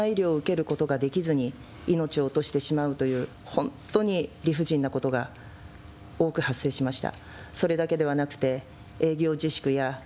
新型コロナウイルス感染下で適切な医療を受けることができずに命を落としてしまうという本当に理不尽なことが多く発生しました。